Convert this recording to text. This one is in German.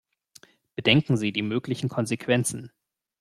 Bedenken Sie die möglichen Konsequenzen.